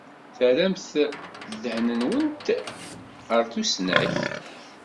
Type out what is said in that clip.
Terramt ddehn-nwent ɣer tusnakt.